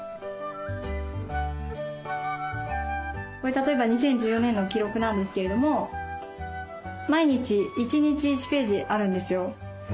これ例えば２０１４年の記録なんですけれども毎日１日１ページあるんですよ。